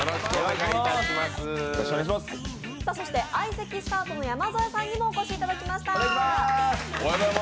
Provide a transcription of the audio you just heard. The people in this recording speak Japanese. そして相席スタートの山添さんにもお越しいただきました。